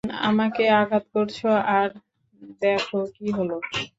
আমাকে আঘাত করেছো আর দেখো কি হলো।